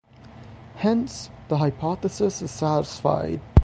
Hence, the hypothesis is satisfied.